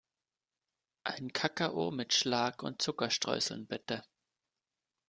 Einen Kakao mit Schlag und Zuckerstreuseln, bitte.